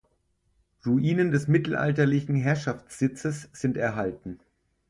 Ruinen des mittelalterlichen Herrschaftssitzes sind erhalten.